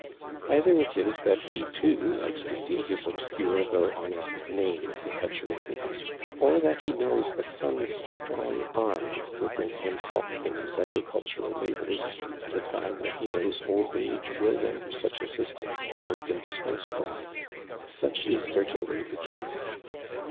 Either it is that he, too, likes to see his obscure though honest name perpetuated ; or that he knows a son's strong arm will bring him help in his agricultural labors at a time when he knows old age will render such assistance almost indispensable ; such is certainly the case.